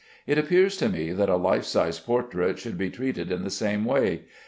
It appears to me that a life size portrait should be treated in the same way.